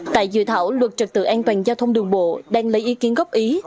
tại dự thảo luật trật tự an toàn giao thông đường bộ đang lấy ý kiến góp ý